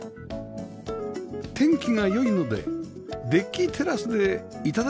天気が良いのでデッキテラスで頂きましょう